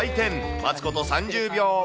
待つこと３０秒。